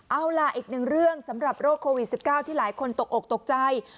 เอาล่ะอีกหนึ่งเรื่องสำหรับโรคโควิด๑๙ที่หลายคนตกอกตกใจ